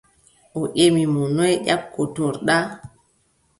O ƴemi mo: noy ƴakkortoɗa ?